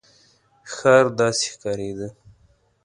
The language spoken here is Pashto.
ښار داسې ښکارېده.